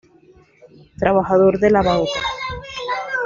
Trabajador de la banca.